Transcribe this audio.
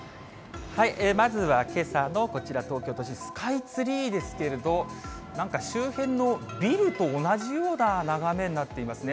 まずはけさのこちら、東京都心、スカイツリーですけれど、なんか周辺のビルと同じような眺めになっていますね。